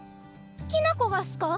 きな子がっすか？